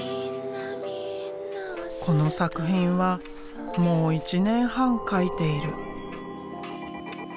この作品はもう１年半描いている。